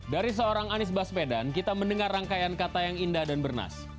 dari seorang anies baswedan kita mendengar rangkaian kata yang indah dan bernas